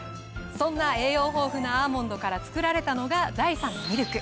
そんな栄養豊富なアーモンドから作られたのが。